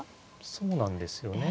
そうなんですよね。